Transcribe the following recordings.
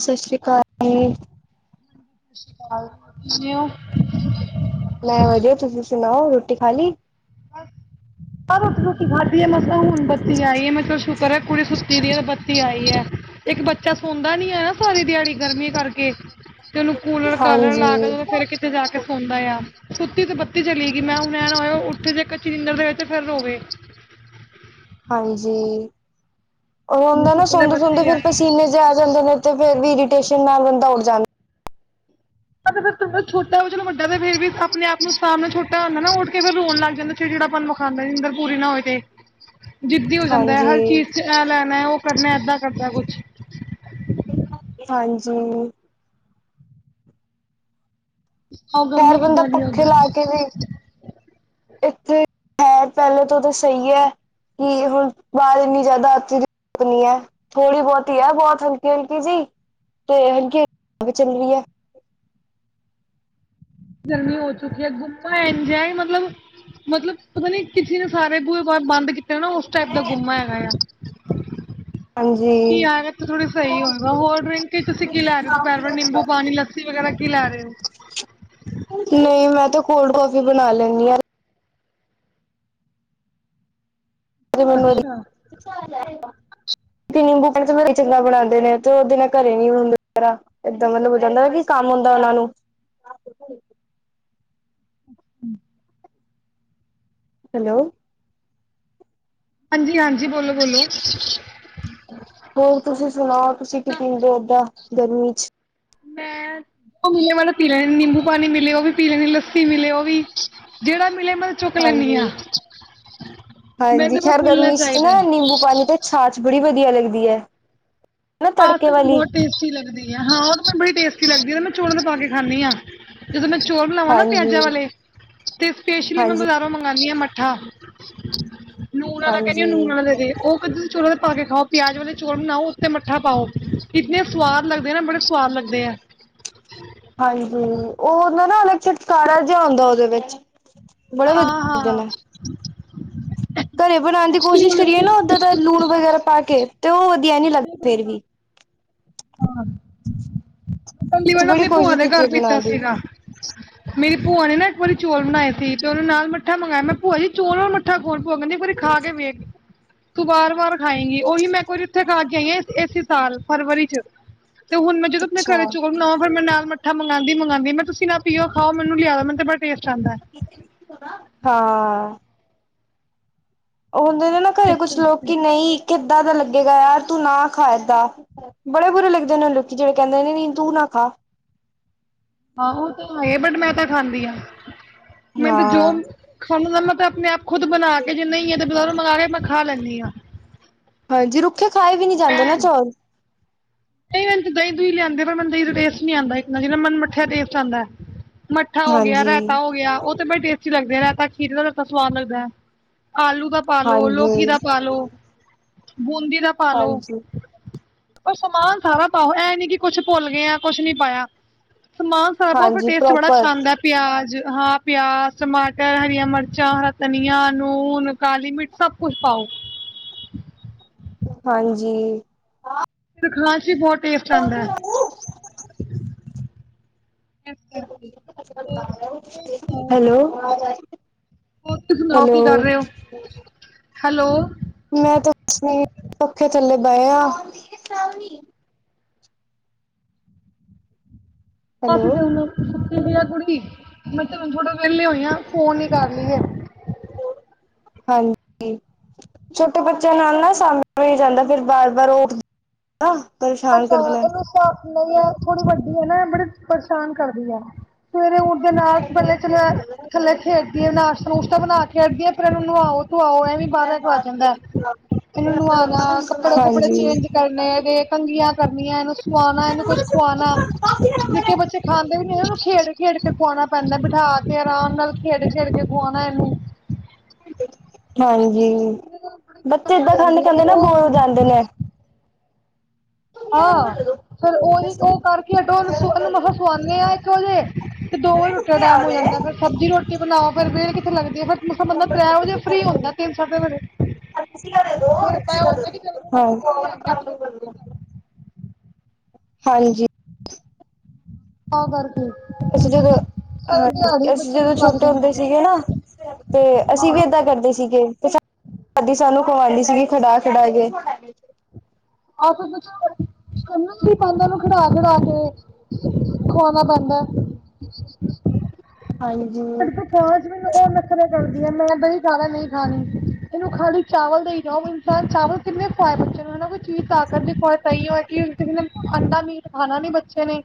ਸਸ਼੍ਰੀ ਕਾਲ। ਹੂੰ। ਸਸ਼ੀ ਕਾਲ। ਕਿਵੇਂ ਹੋ? ਮੈਂ ਵਧੀਆ, ਤੁਸੀਂ ਸੁਣਾਓ ਰੋਟੀ ਖਾਲੀ? ਹੂੰ। ਆ ਰੋਟੀ- ਰੁਟੀ ਖਾਧੀ ਏ, ਮਸਾ ਹੁਨ ਬੱਤੀ ਆਈ ਏ ਮੈਂ ਚਲੋ ਸ਼ੁਕਰ ਐ ਕੁੜੀ ਸੁੱਤੀ ਦੀ ਏ ਬੱਤੀ ਆਈ ਐ। ਇੱਕ ਬੱਚਾ ਸੌਦਾ ਨੀ ਐ ਨਾ ਸਾਰੀ ਦਿਆੜੀ ਗਰਮੀ ਕਰਕੇ। ਤੇ ਉਨੂੰ ਕੂਲਰ -ਕਾਲਰ ਲਾ ਕੇ ਹਾਂਜੀ, ਦੇਂ ਤੇ ਫੇਰ ਕਿਤੇ ਜਾ ਕੇ ਸੌਂਦਾ ਯਾਂ। ਸੁੱਤੀ ਤੇ ਬੱਤੀ ਚਲੀ ਗੀ, ਮੈਂ ਹੁਨ ਐ ਨਾ ਹੋਏ ਉੱਠੇ ਜੇ ਕੱਚੀ ਨੀਂਦਰ ਦੇ ਹੋਏ ਤੇ ਫੇਰ ਰੋਵੇ। ਹਾਂਜੀ, ਓ ਮੈਨੂੰ ਹੁੰਦਾ ਨਾ ਸ਼ੁਕਰ ਹੈ ਸੌਂਦੇ- ਸੁੰਦੇ ਬੱਤੀ ਆਈ ਫੇਰ ਹੈ। ਪਸੀਨੇ ਜੇ ਆ ਜਾਂਦੇ ਨੇ ਤੇ ਫੇਰ ਵੀ ਇਰੀਟੇਸ਼ਨ ਨਾਲ ਬੰਦਾ ਉੱਠ ਜਾਂਦੈ। ਹਾਂ ਤੇ ਫੇਰ ਤੇ ਫੇਰ ਛੋਟਾ ਓ, ਚਲੋ ਵੱਡਾ ਤੇ ਫਿਰ ਵੀ ਅਪਨੇ ਆਪ ਨੂੰ ਸਾਂਭ ਲੈ, ਛੋਟਾ ਹੁੰਦਾ ਨਾ ਓ ਉੱਠ ਕੇ ਫੇਰ ਰੋਨ ਲੱਗ ਜਾਂਦੈ। ਚਿੜ - ਚਿੜਾਪਨ ਵੋਖਾਂਦੈ ਨੀਂਦਰ ਪੂਰੀ ਨਾ ਹੋਏ ਤੇ ਜਿੱਦੀ ਹੋ ਜਾਂਦੈ ਹਾਂਜੀ, ਹਰ ਚੀਜ਼ ਚ ਐ ਲੈਨੈ ਓ ਕਰਨੈ ਐਦਾਂ ਕਰਦੈ ਕੁਛ। ਹਾਂਜੀ। ਆਓ ਖੈਰ ਗਰਮੀ ਬੰਦਾ ਕਿੱਦਾਂ ਦੀ ਹੈ ਪੱਖੇ ਉੱਧਰ ਲਾ ਕੇ ਵੀ ਇੱਥੇ। ਹੈ ਪਹਿਲੇ ਤੋਂ ਤਾਂ ਸਹੀ ਹੈ ਕਿ ਹੁਣ ਬਾਹਰ ਇੰਨੀ ਜ਼ਿਆਦਾ [unintelligible] ਨਹੀਂ ਐ। ਥੋੜ੍ਹੀ ਬਹੁਤੀ ਐ ਬਹੁਤ ਹਲਕੀ ਹਲਕੀ ਜੀ ਤੇ ਹਲਕੀ ਚੱਲ ਹਵਾ ਵੀ ਚਲੀ ਐ ਗਰਮੀ ਹੋ ਚੁੱਕੀ ਹੈ ਗੁੰਮਾ ਐੰਜੋਏ ਮਤਲਬ। ਮਤਲਬ ਪਤਾ ਨੀ ਕਿਸੇ ਨੇ ਸਾਰੇ ਬੂਹੇ ਬੰਦ ਕੀਤੇ ਨਾ ਉਸ ਟਾਈਪ ਦਾ ਗੁੰਮਾ ਹੈਗਾ ਆ। ਕੀ ਹਾਂਜੀ, ਆਦਤ ਤੇ ਥੋੜ੍ਹੀ ਸਹੀ ਹੋਵੇ ਹੋਰ ਡਰਿੰਕ ਤੁਸੀਂ ਕੀ ਲੈ ਰਹੇ ਹੋ ਦੁਪਹਿਰ ਵ ਨਿੰਬੂ ਪਾਣੀ ਲੱਸੀ ਵਗੈਰਾ ਕੀ ਲੈ ਰਹੇ ਹੋ। ਨਹੀਂ ਮੈਂ ਤੇ ਕੋਲਡ ਕੌਫੀ ਬਣਾ ਲੈਨੀ ਆ। [inaudible] ਅੱਛਾ ਨਿੰਬੂ ਪਾ ਚੰਗਾ ਬਣਾਉਂਦੇ ਨੇ ਤੇ ਉਹਦੇ ਨਾਲ ਘਰੇ ਨੀ ਹੁੰਦੇ। ਏਦਾਂ ਮਤਲਬ ਹੋ ਜਾਂਦਾ ਕੀ ਕੰਮ ਹੁੰਦਾ ਉਹਨਾਂ ਨੂੰ [unintelligible] ਹੂੰ ਹੈਲੋ! ਹਾਂਜੀ ਹਾਂਜੀ ਬੋਲੋ ਬੋਲੋ ਹੋਰ ਤੁਸੀਂ ਸੁਣਾਓ ਤੁਸੀਂ ਕਿ ਨਾ ਪੀਂਦੇ ਦਾਂ ਗਰਮੀ ਚ? ਮੈਂ ਉਹ [unintelligible] ਨਿੰਬੂ- ਪਾਣੀ ਮਿਲੇ ਉਹ ਵੀ ਪੀ ਲੈਣੀ ਲੱਸੀ ਮਿਲੇ ਉਹ ਵੀ ਜਿਹੜਾ ਮਿਲੇ ਮਤਲਬ ਹਾਂਜੀ ਹਾਂਜੀ, ਮੈਨੂੰ ਤਾਂ ਬਸ ਖੈਰ ਮਿਲਣਾ ਗਰਮੀ ਚ ਚਾਹੀਦਾ ਨਾ ਹੈ ਨਿੰਬੂ ਪਾਣੀ ਤਾਂ ਛਾ ਚ ਬੜੀ ਵਧੀਆ ਲੱਗਦੀ ਐ। ਆਹ ਤੇ ਮੈਨੂੰ ਬਹੁਤ ਟਸਟੀ ਲੱਗਦੀ ਹੈ, ਹਾਂ ਉਹ ਮੈੂੰ ਬੜੀ ਟੇਸਟੀ ਲੱਗਦੀ ਮੈਂ ਚੋਲਾਂ ਚ ਪਾ ਕੇ ਖਾਂਦੀ ਹਾਂ। ਜਦੋਂ ਮੈਂ ਚੋਲ ਬਣਾਵਾਂ ਨਾ ਹਾਂਜੀ ਪਿਆਜਾਂ ਵਾਲੇ ਤੇ ਸਪੇਸ਼ਲੀ ਮੈਂ ਹਾਂਜੀ ਮੰਗਵਾਉਂਦੀ ਹਾਂ ਮੱਠਾ ਨੂਨ ਵਾਲਾ ਕਹਿੰਦੀ ਆਂ ਨੂਨ ਹਾਂਜੀ ਵਾਲਾ ਦੇ ਦੇ ਉਹ ਕ ਚੂਰਨ ਪਾ ਕੇ ਖਾਓ ਪਿਆਜ ਵਾਲੇ ਚੋਲ ਬਣਾਓ ਉੱਤੇ ਮੱਠਾ ਪਾਓ ਇੰਨੇ ਸਵਾਦ ਲਗਦੇ ਨਾ ਬੜੇ ਸਆਦ ਲਗਦੇ ਆ। ਹਾਂਜੀ ਉਹਦਾ ਨਾ ਅ [unintelligible] ਜਿਹਾ ਹੁੰਦਾ ਉਹਦੇ ਵਿੱਚ। ਬੜੇ ਹਾਂ ਬਦੇ ਹਾਂ ਨੇ। ਘਰੇ ਬਣਾਉਣ ਦੀ ਪਹਿਲੀ ਕੋਸ਼ਿਸ਼ ਵਾਰ ਕਰੀਏ ਨਾ ਓਦਾਂ ਦਾ ਲੂਣ ਵਗੈਰਾ ਪਾ ਕੇ ਤੇ ਉਹ ਵਧੀਆ ਨੀ ਨਹੀਂ ਲੱਗਦਾ ਫੇਰ ਬਣ ਵੀ ਹਾਂ [unintelligible] [inaudible] ਅਸੀਂ ਵੱਲ ਬੜੀ ਆਪਣੀ ਭੂਆ ਕੋਸ਼ਿਸ਼ ਦੇ ਕੀਤੀ ਘਰ ਹੈ ਪੀਤਾ ਬਣਾਉਣ ਦੀ ਸੀਗਾ। ਮੇਰੀ ਭੂਆ ਨੇ ਨਾ ਇੱਕ ਵਾਰੀ ਚੌਲ ਬਣਾਏ ਸੀ ਤੇ ਉਹਨੇ ਨਾਲ ਮੱਠਾ ਮੰਗਾਇਆ। ਮੈਂ ਭੂਆ ਜੀ ਚੋਲ ਵ ਮੱਠਾ ਕੌਣ ਭੂਆ ਕਹਿੰਦੀ ਖਾ ਕੇ ਵੇਖ, ਤੂੰ ਵਾਰ ਵਾਰ ਖਾਏਂਗੀ ਉਹੀ ਮੈਂ ਕੋ ਵ ਉਥੇ ਖ ਕੇ ਆਈ ਹਾਂ ਇਸੇ ਸਾਲ ਫਰਵਰੀ ਚ ਤੇ ਹੁਣ ਮੈਂ ਜਦੋਂ ਆਪਣੇ ਘਰੇ ਅੱਛਾ ਚੋਲ ਬਣਾਵਾਂ ਫਿਰ ਮੈਂ ਨਾਲ ਥ ਮੰਉਦੀ ਮੰਗਉਂਦੀ ਮ ਤੁਸੀਂ ਨਾ ਪੀਓ ਖਾ ਮੈਨੂੰ ਲਿਆ ਮੈਨੂੰ ਬੜਾ ਟਸਟ ਆਉਦਾ। ਹਾਂ। ਉਹ ਹੁੰਦੇ ਨੇ ਨਾ ਘਰੇ ਕੁਛ ਲੋਕ ਕਿ ਨਹੀਂ ਕਿੱਦਾਂ ਦਾ ਲੱਗੇਗਾ ਯਾਰ ਤੂੰ ਨਾ ਖਾਂ ਏਦਾ। ਬੜੇ ਬੁਰੇ ਲੱਗਦੇ ਉਹ ਲੋਕੀ ਜਿਹੜੇ ਕਹਿੰਦੇ ਨੇ ਨਾਂ ਤੂੰ ਨਾ ਖਾ। ਹਾਂ ਉਹ ਤਾਂ ਹੈ ਬਟ ਮੈਂ ਤਾਂ ਖਾਂਦੀ ਹਾਂ ਮੈਂ ਤੇ ਜੋ ਹਾਂ ਖਾਂ [inaudible] ਮੈਂ ਤਾਂ ਆਪਣੇ ਆਪ ਖੁਦ ਬਣਾ ਕੇ ਜੇ ਨਹੀਂਏ ਤੇ ਬ ਮੰਗਾ ਕੇ ਮੈਂ ਖਾ ਲੈਂਦੀ ਹਾਂ। ਹਾਂਜੀ ਰੁੱਖੇ ਖਾਏ ਵੀ ਨੀ ਮੈਂ ਜਾਂਦੇ ਨਾ ਚੌਲ। ਨਹੀਂ ਦਹੀਂ ਦੂਈ ਲਿਆਂਦੇ ਪਰ ਮਨ ਦਹੀਂ ਦਾ ਟੇਸਟੀ ਆਉਂਦਾ ਜ ਮਨ ਉੱਥੇ ਦੇਖ ਆਉਂਦਾ ਮੱਠਾ ਹੋ ਗਿਆ, ਹਾਂਜੀ ਰਏਤਾ ਹੋ ਗਿਆ ਬੜੀ ਟੇਸਟੀ ਲੱਗਦੇ ਰਾ ਤਾਂ ਖੀਰ ਦਾ ਸਵਾਦ ਲੱਗਦਾ ਹੈ ਆਲੂ ਦਾ ਪਾਲੋ ਲੋਕੀ ਹਾਂਜੀ ਦਾ ਪਾਲੋ ਬੂੰਦੀ ਦਾ ਪਾ ਲੋ ਹਾਂਜੀ। ਪਰ ਸਮਾਨ ਸਾਰਾ ਪਾਓ ਐ ਨੀ ਕਿ ਕੁੱਛ ਭੁੱਲ ਗਿਆ ਕੁੱਛ ਨੀ ਪਾਇਆ। ਸਮਾਨ [unintelligible] ਹਾਂਜੀ ਟੇਸਟ ਬੜਾ ਪ੍ਰੋਪਰ ਅੱਛਾ ਆਂਦਾ। ਪਿਆਜ਼ ਹਾਂ ਪਿਆਜ਼, ਟਮਾਟਰ, ਹਰੀਆਂ ਮਿਰਚਾਂ, ਹਰਾ ਧਨੀਆ, ਨੂਣ, ਕਾਲੀ ਮਿਰਚ ਸਭ ਕੁਛ ਪਾਓ। ਹਾਂਜੀ। ਫੇਰ ਖਾਨ ਚ ਬਹੁਤ ਟੇਸਟ ਆਂਦਾ ਐ। ਇਸ ਕਰਕੇ ਹੋਰ ਤੁਸੀਂ ਸੁਣਾਓ ਹੈਲੋ। ਹੋਰ ਤੁਸੀਂ ਸੁਣਾਓ ਹੈਲੋ, ਕੀ ਕਰ ਰਹੇ ਹੋ? ਹੈਲੋ ਮੈਂ ਤੁ ਪੱਖੇ ਥੱਲੇ ਬਹਿ ਯਾ। ਹੈਲੋ ਕਾਫੀ ਤੇ ਹੁ ਸੁੱਤੀ ਦੀ ਏ ਕੁੜੀ, ਮੈਂ ਤੁ ਥੋੜਾ ਵਿਹਲੇ ਹੋਈ ਆ ਫੋਨ ਹੀ ਕਰ ਲਈਏ। ਹਾਂਜੀ। ਛੋਟੇ ਬੱਚਿਆਂ ਨਾਲ ਨਾ ਸਾਮਿਲ ਜਾਂਦਾ ਫਿਰ ਬਾਰ ਵਾਰ ਉਹ ਨਾ ਪਰੇਸ਼ਾਨ ਕਰਦੇ ਨੇ। ਇਹਨੂੰ ਨਹੀਂ ਹੈ ਥੋੜੀ ਵੱਡੀ ਐ ਨਾ ਬੜੇ ਪਰੇਸ਼ਾਨ ਕਰਦੀ ਐ। ਸਵੇਰੇ ਉੱਠਦੇ ਨਾਲ ਬਲਬ ਚਲਿਆ ਥੱਲੇ ਖੇਡਦੀ ਨਾਸ਼ਤਾ ਨੂਸ਼ਤਾ ਬਣਾ ਕੇ ਹਟਦੀ ਆ ਫੇਰ ਇਹਨੂੰ ਨੁਵਾਓ ਧਆਓ ਐ ਵੀ ਬਾਰਾ ਇਕ ਵੱਜ ਜਾਂਦਾ ਇਹਨੂੰ ਨੁਆਉਣਾ ਕੱਪੜੇ ਕੁਪੜੇ ਹਾਂਜੀ, ਚੇਂਜ ਕਰਨੇ ਇੱਦੇ। ਕੰਗੀਆਂ ਕਰਨੀਆਂ, ਇਹਨੂੰ ਸਵਾਉਣਾ, ਇਹਨੂੰ ਕੁੱਛ ਖਵਾਉਣਾ, ਨਿੱਕੇ ਬੱਚੇ ਖਾਂਦੇ ਵੀ ਨਹੀਂ ਉਹਨੂੰ ਖੇਡ ਕੇ ਖੇਡ ਕੇ ਖੁਵਾਉਣਾ ਪੈਂਦਾ ਬਿਠਾ ਕੇ ਆਰਾਮ ਨਾਲ ਖੇਡ ਖੇਡ ਕੇ ਖਵਾਉਣਾ ਇਹਨੂੰ। ਹਾਂਜੀ, ਇਹਨੂੰ ਬੜੀ ਦਿੱਕਤ ਬੱਚੇ ਏਦਾਂ ਹੋ ਖਾਂਦੇ ਜਾਂਦੀ ਹੈ ਖਾਂਦੇ ਫਿਰ ਨਾ ਉਹ ਬੋਤ ਜਾਂਦੇ ਨੇ। ਆਹ ਫੇਰ ਉਹੀ ਉਹ ਕਰਕੇ ਹੱਟੋ ਮ ਸਵਾ ਇੰਨੂੰ ਮੱਸਾ ਸਵਾਨੀ ਆ ਇਕ ਵਜੇ। ਤੇ ਦੋ ਵਜੇ ਰੋਟੀ ਦਾ ਟੈਮ ਹੋ ਜਾਂਦਾ ਫਿਰ ਸਬਜ਼ੀ ਰੋਟੀ ਬਣਾਓ। ਫੇਰ ਵੇਲ ਕਿੱਥੇ ਲਗਦੀ ਫੇਰ ਮੱਸਾ ਬੰਦਾ ਤੱਰੇਹ ਵਜੇ ਫ੍ਰੀ ਹੁੰਦਾ, ਤਿੰਨ ਸਾਡੇ ਵਜੇ ਫਿਰ ਤਾਂ ਹੁੰਦਾ ਕਿ ਚਲ ਹੁਣ ਅਸੀਂ ਵੇਲੇ ਆ ਗਿਆ ਛੇ ਕੁ ਵਜੇ ਤੱਕ [unintelligible] ਹਾਂਜੀ। ਤਾਹ ਕਰਕੇ। ਅਸੀਂ ਜਦੋਂ ਸਾਰੀ ਹਾਂਜੀ ਦਿਹਾੜੀ ਅਸੀਂ ਬੱਚੇ ਜਦੋਂ ਨੂੰ ਲੱਗ ਛੋਟੇ ਹੁੰਦੇ ਜਾਂਦੀ ਹੈ ਸੀਗੇ ਨਾ। ਤੇ ਅਸੀਂ ਹਾਂ ਵੀ ਏਦਾਂ ਆ ਕਰਦੇ ਸੀਗੇ ਤੇ ਸਾਡ ਦਾਦੀ ਸਾਨੂੰ ਕਵਾਉਂਦੀ ਸੀਗੀ ਖਡਾ ਖਡਾ ਕੇ। ਆਹ ਕਰਨਾ ਵੀ ਪੈਂਦਾ ਉਹਨੂੰ ਖਡਾ ਖਡਾ ਕੇ। ਖਵਾਉਣਾ ਪੈਂਦਾ। ਹਾਂਜੀ। ਸਾਂਜ ਮੈਨੂੰ ਏ ਨਖਰੇ ਕਰਦੀ ਐ ਮੈਂ ਦਹੀ ਖਾ ਲੇ ਨਹੀਂ ਖਾਣੀ। ਇਹਨੂੰ ਖਾਲੀ ਚਾਵਲ ਦਈਂ ਜਾਓ, ਇਨਸਾਨ ਚਾਵਲ ਕਿੰਨੇ ਖਵਾਏ ਬੱਚੇ ਨੂੰ, ਹੇਨਾ ਬਈ ਕੋਈ ਚੀਜ਼ ਤਾਕਤ ਦੀ ਖਵਾਏ ਤਾਹੀਓਂ ਹੈ ਕਿ ਅੰਡਾ ਮੀਟ ਖਾਣਾ ਨੀ ਬੱਚੇ ਨੇ,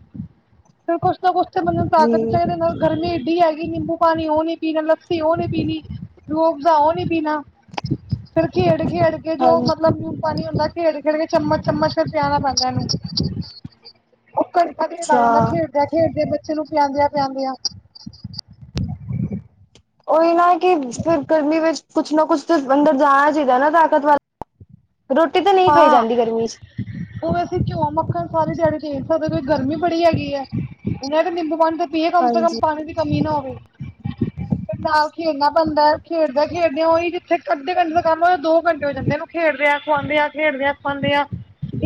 ਫੇਰ ਕੁਛ ਨਾ ਕੁਛ ਤੇ ਬੰਦੇ ਨੂ ਜੀ, ਤਾਕਤ ਚਾਹੀਦੀ ਨਾਲ ਗਰਮੀ ਇੱਡੀ ਹੈ। ਨਿੰਬੂ ਪਾਣੀ ਉਹ ਨੀ ਪੀਣਾ ਲੱਸੀ ਉਹ ਨੀ ਪੀਣੀ ਰੂਹਾਫ਼ਜ਼ਾਂ ਉਹ ਨੀ ਪੀਣਾ। ਫੇਰ ਖੇਡ ਖੇਡ ਕੇ ਜੋ ਹਾਂਜੀ, ਮਤਲਬ ਨੂੰਨ ਪਾਣੀ ਹੁੰਦਾ ਖੇਡ ਖੇਡ ਕੇ ਚਮਚ ਚਮਚ ਫੇਰ ਪਿਆਣਾ ਪੈਂਦਾ ਇਹਨੂੰ। ਘੰਟਾ ਤੇ ਲਗ ਜਾਂਦਾ ਅੱਛਾ। ਖੇਡਦਿਆਂ-ਖੇਡਦੇਆਂ ਬੱਚੇ ਨੂੰ ਪਿਆਦਿਆਂ-ਪਿਆਦਿਆਂ। [inaudible] ਉਹੀ ਨਾ ਕਿ ਫਿਰ ਗਰਮੀ ਵਿੱਚ ਕੁਛ ਨਾ ਕੁਛ ਤੇ ਅੰਦਰ ਜਾਣਾ ਚਾਹੀਦਾ ਐ ਨਾ ਤਾਕਤ ਵਾ [inaudible] ਰੋਟੀ ਤਾਂ ਨਹੀਂ ਖਾਈ ਹਾਂ ਜਾਂਦੀ ਗਰਮੀ ਚ। ਉਹ ਵੈਸੇ ਕਯੋ ਮੱਖਣ ਸਾਰੇ ਦਿਹਾੜੀ ਦੇ ਨੀ ਸਕਦੇ ਹੋ ਗਰਮੀ ਬੜੀ ਹੈਗੀ ਐ। ਇਹ ਤੇ ਨਿੰਬੂ ਪਾਣੀ ਦੇ ਪੀਏ ਕਮ ਸੇ ਕਮ ਹਾਂਜੀ ਪਾਣੀ ਦੀ ਕਮੀ ਨਾ ਹੋਵੇ। ਨਾਲ ਖੇਡਣਾ ਪੈਂਦੈ। ਖੇਡਦਿਆਂ-ਖੇਡਦਿਆਂ ਓਹੀ ਜਿੱਥੇ ਅੱਧੇ ਘੰਟੇ ਦਾ ਕੰਮ ਹੋਏ, ਦੋ ਘੰਟੇ ਹੋ ਜਾਂਦੇ ਨੇ। ਖੇਡਦੇਆਂ-ਖਵਾਂਦਿਆਂ, ਖੇਡਦੇਆਂ-ਖਵਾਂਦਿਆਂ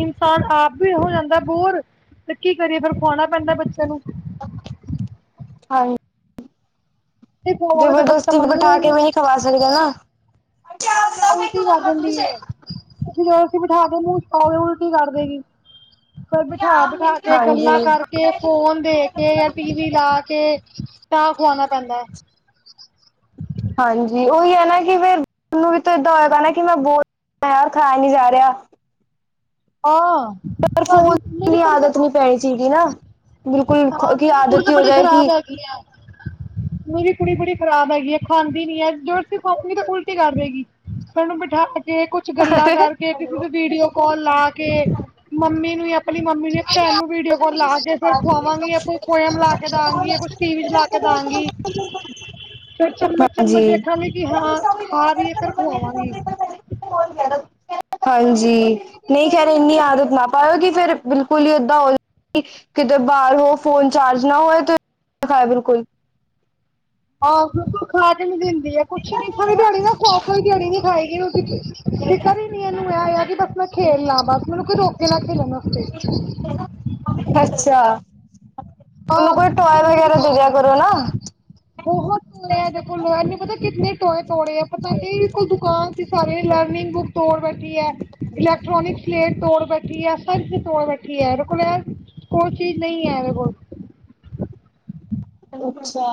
ਇਨਸਾਨ ਆਪ ਵੀ ਹੋ ਜਾਂਦੈ ਬੋਰ ਤੇ ਕੀ ਕਰੀਏ ਫੇਰ ਖਵਾਣਾ ਪੈਂਦੈ ਬੱਚੇ ਨੂੰ। [unintelligible] ਜੇ ਖਵਾਵਾਂਗੇ ਤਾਂ ਬੱਚਾ ਜਬਰਦਸਤੀ ਮੰਗੇਗਾ ਬਿਠਾ ਹੀ ਕੇ ਵੀ ਨੀਂ ਖਵਾ ਸਕਦੇ ਨਾ। ਨਾ-ਨਾ, ਉਲਟੀ ਕਰ ਦੇਂਦੀ ਏ। ਜਬਰਦਸਤੀ ਬਿਠਾ ਦੇ ਮੂੰ ਚ ਪਾਓ, ਉਲਟੀ ਕਰ ਦੇਗੀ। ਫੇਰ ਬਿਠਾ-ਬਿਠਾ ਕੇ, ਹਾਂਜੀ ਗੱਲਾਂ ਕਰਕ ਤੇ ਫੋਨ ਦੇ ਕੇ ਯਾ ਟੀ ਵੀ ਲਾ ਕੇ ਤਾਂ ਖਵਾਣਾ ਪੈਂਦੈ। ਹਾਂਜੀ! ਓਹੀ ਹੈ ਨਾ ਕਿ ਫੇਰ ਮੈਨੂੰ ਵੀ ਤੇ ਏਦਾਂ ਹੋ ਜਾਣੇ ਕਿ ਮੈਂ ਬੋਤ [inaudible] ਖਾਯਾ ਨੀ ਜਾ ਰਿਹਾ। ਆਂ! ਪਰ ਫੋਨ ਇੰਨੀ ਆਦਤ ਨੀ ਪੈਣੀ ਚਾਈਦੀ ਨਾ! ਬਿਲਕੁਲ ਹਾਂ ਕੀ ਮੇਰੀ ਕੁੜੀ ਆਦਤ ਹੀ ਤਾਂ ਹੋ ਬੜੀ ਜਾਏ ਖ਼ਰਾਬ ਕਿ [unintelligible] ਮੇਰੀ ਕੁੜੀ ਬੜੀ ਖਰਾਬ ਹੈਗੀ ਏ, ਖਾਂਦੀ ਨੀ ਹੈ। ਜਬਰਦਸਤੀ ਖਵਾਓ, ਨੀ ਤੇ ਉਲਟੀ ਕਰ ਦੇਗੀ। ਏਨੂੰ ਬਿਠਾ ਕੇ ਕੁਛ ਝ ਗੱਲਾਂ ਕਰਕੇ, ਕਿਸੇ ਦੇ ਵੀਡੀਓ ਕੋਲ ਲਾ ਕੇ, ਮੰਮੀ ਨੂੰ ਯਾ ਲੀ ਮੰਮੀ ਨੇ ਭੈਣ ਨੂੰ ਵੀਡੀਓ ਕੋਲ ਲਾ ਕੇ ਫੇਰ ਖਵਾਂਗੀ ਯਾ ਕੋਈ ਪੋਇਮ ਲਾ ਕੇ ਦਾਂਗੀ ਯਾ ਕੁਛ ਟੀਵੀ ਚ ਲਾ ਕੇ ਦਾਂਗੀ। ਫੇਰ ਹਾਂਜੀ ਚੱਮਚ-ਚੱਮਚ ਵੇਖਾਂਗੀ ਕਿ ਹਾਂ ਖਾ ਰੀ ਏ ਫੇਰ ਖਵਾਵਾਂਗੀ। ਹਾਂਜੀ, ਨਈਂ ਸਾਰੇ ਖੈਰ ਰੋਟੀ ਇੰਨੀ ਖਾਂਦੇ ਆਦਤ ਜੀ ਨਾ ਪਾਏਓ ਕਿ ਫੇਰ ਬਿਲਕੁਲ ਹੀ ਏਦਾਂ ਹੋ ਜੇ ਕਿ ਕਿਤੇ ਬਾਹਰ ਹੋ ਫੋਨ ਚਾਰਜ ਨਾ ਹੋਏ ਤੇ [inaudible] ਖਾਏ ਬਿਲਕੁਲ। ਆਹੋ ਖਾ ਕੇ ਨੀ ਦਿੰਦੀ ਐ। ਕੁਛ ਨੀ, ਪੂਰੀ ਦਿਆੜੀ ਨਾ ਸਾਰੀ-ਸਾਰੀ ਦਿਆੜੀ ਨੀ ਖਾਏਗੀ ਰੋਟੀ। ਫ਼ਿਕਰ ਈ ਨੀ ਐਨੂੰ, ਐ ਯਾ ਕਿ ਬਸ ਮੈਂ ਖੇਲ ਲਾਂ ਬਸ, ਮੈਨੂੰ ਕੋਈ ਰੋਕੇ ਨਾ ਖੇਲਣ ਆਸਤੇ। ਅੱਛਾ! ਆਹ ਓਨੂੰ ਕੋਈ ਟੋਏ ਖਿਲਾਓ ਵਗੈਰਾ ਜਿੰਨਾ ਦੇ ਦਿਆ ਮਰਜ਼ੀ ਕਰੋ ਨਾ। ਬਹੁਤ ਟੋਇ ਐ ਐਦੇ ਕੋਲ, ਐ ਨੀ ਪਤਾ ਕਿੰਨੇ ਟੋਏ ਤੋੜੇ ਆ ਪਤਾ ਏਦੇ ਕੋਲ ਦੁਕਾਨ ਸਾਰੇ ਲਰਨਿੰਗ ਬੁੱਕ ਤੋੜ ਬੈਠੀ ਐ, ਇਲੈਕਟ੍ਰੋਨਿਕਸ ਪਲੇਟ ਤੋੜ ਬੈਠੀ ਐ, ਸਭ ਕਿਛ ਤੋੜ ਬੈਠੀ ਐ, ਇਹਰੇ ਕੋਲ ਐ ਕੋਈ ਚੀਜ਼ ਨਈ ਐ ਐਦੇ ਕੋਲ। ਅੱਛਾ!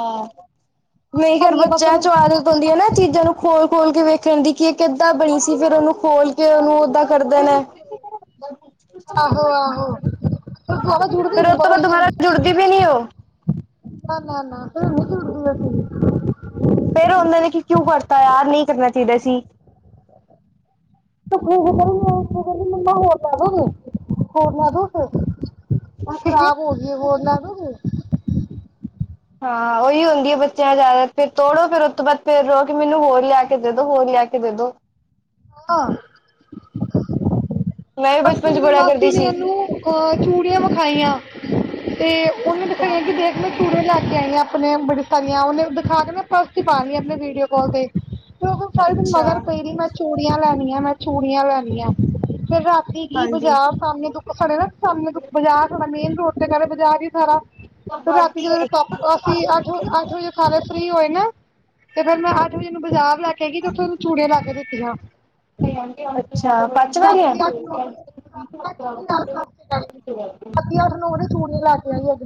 ਨਈ ਪਤਾ ਖੈਰ ਨੀ ਹੈ ਬਸ ਬੱਚਾ ਚ ਉਹਨੂੰ ਆਦਤ ਹੁੰਦੀ ਐ ਨਾ ਚੀਜ਼ਾਂ ਨੂੰ ਖੋਲ ਖੋਲ ਕੇ ਵੇਖ ਖਣ ਦੀ ਕਿ ਇਹ ਕਿੱਦਾਂ ਬਣੀ ਸੀ, ਫੇਰ ਹਾਂ ਓਨੂੰ ਖੋਲ ਕੇ ਓਨੂੰ ਓਦਾਂ ਕਰਦੇ ਨੇ। ਬਿਲਕੁਲ ਆਹੋ ਆਹੋ ਪਰ ਦੁਬਾਰਾ ਜੁੜਦੀ ਫੇਰ ਓਤੋਂ ਬਾਦ ਦੁਬਾਰਾ ਜੁੜਦੀ ਵੀ ਨੀ ਓ। ਨਾ-ਨਾ-ਨਾ ਫ਼ੇਰ ਨੀਂ ਜੂੜਦੀ ਓ ਚੀਜ। ਫੇਰ ਓਨਾਂ ਨੇ ਕਿ-ਕਿਯੂੰ ਕਰਤਾ ਯਾਰ, ਨਈ ਕਰਨਾ ਚਾਈਦਾ ਸੀ। [unintelligible] ਹੋਰ ਲੈਂ ਦੋਗੇ! ਐ ਖਰਾਬ ਹੋ ਗਈ ਐ, ਹੋਰ ਲੈ ਦੋਗੇ? ਹਾਂ ਓਹੀ ਹੁੰਦੀ ਏ ਬੱਚਿਆਂ ਜ਼ਿਆਦਾ ਤਰ, ਤੋੜੋ ਫੇਰ ਉਸ ਤੋਂ ਬਾਦ ਫਿਰ ਰੋਵੋ ਕੇ ਮੈਨੂੰ ਹੋਰ ਲਿਆ ਕੇ ਦੇ ਦੋ, ਹੋਰ ਲਿਆ ਕੇ ਦੇ ਦੋ। ਆ ਮੈਂ ਵੀ ਬਚਪਨ ਚ [unintelligible] ਦੀ ਬੜਾ ਮਾਸੀ ਕਰਦੀ ਨੇ ਸੀ। ਓਨੂੰ ਅ-ਚੂੜੀਆਂ ਵਿਖਾਈਆਂ ਤੇ ਓਨੇ ਦਿਖਾਈਆਂ ਕਿ ਦੇਖ ਲੌ ਚੂੜੀਆਂ ਲੈ ਕੇ ਆਈਂ ਆਂ ਆਪਣੇ ਬੜੀ ਸਾਰੀਆਂ, ਉਹਨੇ ਦਿਖਾ ਕੇ ਨਾ ਪਰਸ ਚ ਪਾ ਲੀਆਂ ਆਪਣੇ ਵੀਡੀਓ ਕਾਲ ਤੇ। ਫਿਰ ਓ ਕੱਲ ਸਾਰਾਂ ਦਿਨ ਮਗਰ ਪਈ ਦੀ, ਮੈਂ ਚੂੜੀਆਂ ਲੈਣੀਐਂ, ਮੈਂ ਚੂੜੀਆਂ ਲੈਣੀਐਂ। ਫੇਰ ਰਾਤੀ ਈ ਬਾਜ਼ਾਰ ਸਾਮਣੇ ਦੁਕ, ਸਾਡੇ ਨਾ ਸਾਮਣੇ ਦੁਕ-ਬਾਜ਼ਾਰ ਸਾਡਾ ਨਾ ਮੇਨ ਰੋਡ ਤੇ ਘਰ ਏ ਬਾਜ਼ਾਰ ਈ ਸਾਰਾ ਤੇ ਰਾਤੀ ਜਦੋਂ ਟੋਪ ਅੱਸੀਂ ਅੱਠ-ਅੱਠ ਵਜੇ ਸਾਰੇ ਫਰੀ ਹੋਏ ਨੇ, ਤੇ ਫੇਰ ਮੈਂ ਅੱਠ ਵਜੇ ਇਨੂੰ ਬਾਜ਼ਾਰ ਲੈ ਕੇ ਕਏਗੀ ਤੇ ਓਥੋਂ ਤੂੰ ਚੂੜੀਆਂ ਲੈ ਕੇ ਦਿੱਤੀਆਂ। ਅੱਛਾ ਪੰਜ ਵਾਰੀ ਆ ਰਾਤੀ ਅੱਠ-ਨੌਂ ਵਜੇ [unintelligible]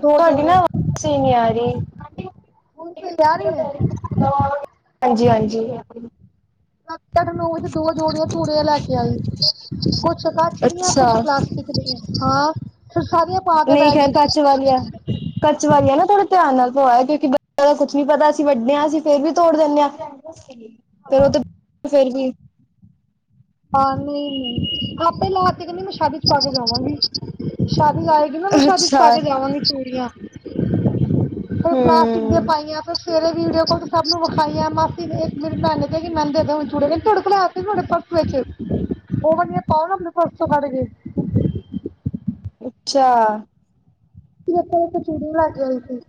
ਦੋ ਜੋੜੇ ਨਾ ਆਵਾਜ਼ ਸਹੀ ਨੀ ਆ ਰਹੀ। ਹੁਣ ਸਹੀ ਆ ਰਹੀ ਐ? ਹਾਂਜੀ ਹਾਂਜੀ। [unintelligible] ਚ ਦੋ ਜੋੜੀਆਂ ਚੂੜੀਆਂ ਲੈ ਕੇ ਆਈ, ਕੁਛ ਕੱਚ ਦੀਆਂ ਅੱਛਾ ਕੁਛ ਪਲਾਸਟਿਕ ਹਾਂ ਫਿਰ ਸਾਰੀਆਂ ਪਾ ਕੇ ਨਹੀਂ ਬਹਿ ਖੈਰ ਗਈ ਕੱਚ ਵਾਲੀ ਆ, ਕੱਚ ਵਾਲੀ ਆ ਨਾ ਥੋੜਾ ਧਿਆਨ ਨਾਲ ਪਵਾਈਓ ਕਿਉਂਕਿ ਦਾ ਕੁਛ ਨੀ ਪਤਾ, ਅਸੀਂ ਵੱਡੇ ਆ ਅਸੀਂ ਫਿਰ ਵੀ ਤੋੜ ਦਿੰਦੇ ਆ, ਫਿਰ ਹਾਂ ਉਹ ਤੇ ਫਿਰ ਵੀ ਹਾਂ ਨਹੀਂ ਲਾ ਤੇ ਲਾ ਤੇ ਕਹਿੰਦੀ ਮੈਂ ਸ਼ਾਦੀ ਚ ਪਾ ਕੇ ਜਾਵਾਂਗੀ, ਸ਼ਾਦੀ ਲਾਇਕ [unintelligible] ਸ਼ਾਦੀ ਚ ਅੱਛਾ ਪਾ ਕੇ ਜਾਵਾਂਗੀ ਚੂੜੀਆਂ। ਕੁਝ ਪਲਾਸਟਿਕ ਦੀਆਂ ਹਮ ਪਾਈਆਂ, ਫਿਰ ਸਵੇਰੇ ਰੇਲ ਦੇਖਿਓ ਸਭ ਨੂੰ ਵਿਖਾਈਆਂ ਮਾ ਇੱਕ ਮੇਰੀ ਭੈਣ ਨੇ ਕਿਹਾ ਮੈਨੂੰ ਦੇ ਤੇ ਚੂੜੀਆਂ [unintelligible] ਵੇਖੇ ਉਹ ਵਾਲੀਆਂ ਪਾਓ ਨਾ ਆਪਣੇ ਪਰਸ ਚੋਂ ਕੱਢ ਕੇ ਅੱਛਾ। ਵੇਖੋ ਵੇਖੋ ਚੂੜੀ ਲੈ ਕੇ ਆਈ ਸੀ।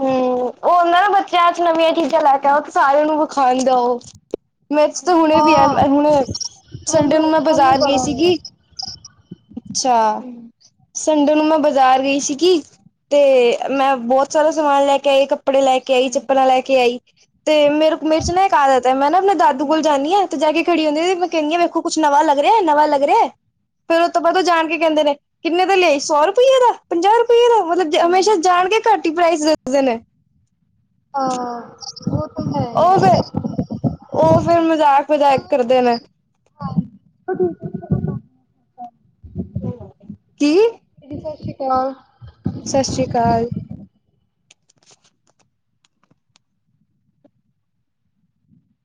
ਹੂੰ,,, ਹੁਣ ਨਾ ਬੱਚਿਆਂ 'ਚ ਨਵੀਆਂ ਚੀਜ਼ਾਂ ਲੈ ਕੇ ਆਓ, ਤੇ ਸਾਰਿਆਂ ਨੂੰ ਵਿਖਾਈ ਜਾਓ। [unintelligible] ਹਾਂ ਆਈ ਸੰਡੇ ਸਾਨੂੰ ਨੂੰ ਮੈਂ ਸਾਨੂੰ ਬਾਜ਼ਾਰ ਬੜਾ ਗਈ ਸੀਗੀ। ਅੱਛਾ, ਸੰਡੇ ਨੂੰ ਮੈਂ ਬਾਜ਼ਾਰ ਗਈ ਸੀਗੀ। ਤੇ ਮੈਂ ਬਹੁਤ ਸਾਰਾ ਸਮਾਨ ਲੈ ਕੇ ਆਈ, ਕੱਪੜੇ ਲੈ ਕੇ ਆਈ ਚੱਪਲਾਂ ਲੈ ਕੇ ਆਈ। ਤੇ ਮੇਰੇ ਕੁ ਮੇਰੇ 'ਚ ਨਾ ਇੱਕ ਆਦਤ ਐ ਮੈਂ ਨਾ ਆਪਣੇ ਦਾਦੂ ਕੋਲ ਜਾਂਦੀ ਆ ਤੇ ਜਾ ਕੇ ਖੜੀ ਹੁੰਦੀ ਤੇ ਮੈਂ ਕਹਦੀ ਹਾਂ ਵੇਖੋ ਕੁੱਛ ਨਵਾਂ ਲੱਗ ਰਿਹਾ ਨਵਾਂ ਲੱਗ ਰਿਹਾ। ਉਸ ਤੋਂ ਬਾਅਦ ਜਾਣ ਕੇ ਕਹਿੰਦੇ ਨੇ ਕਿੰਨੇ ਦਾ ਲੈ ਆਈ, ਸੌ ਰੁਪਈਏ ਦਾ, ਪੰਜਾਹ ਰੁਪਈਏ ਦਾ ਮਤਲਬ ਹਮੇਸ਼ਾ ਜਾਣ ਕੇ ਘੱਟ ਹੀ ਪ੍ਰਾਈਸ ਦੱਸਦੇ ਨੇ। ਹਾਂ ਉਹ ਤਾਂ ਹੈ। ਉਹ ਫੇਰ ਉਹ ਫਿਰ ਮਜ਼ਾਕ -ਮਜ਼ਾਕ ਚਲੋ ਕਰਦੇ ਨੇ [unintelligible] ਕੀ ਦੀਦੀ ਸਤਿ ਸ਼੍ਰੀ ਅਕਾਲ ਸਤਿ ਸ਼੍ਰੀ ਅਕਾਲ